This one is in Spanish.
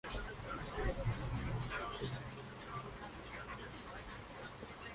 Así es como Rodríguez logro el apodo de "ministro corcho" porque nunca se hundía.